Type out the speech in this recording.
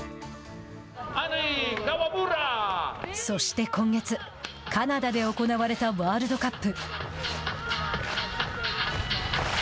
そして今月カナダで行われたワールドカップ。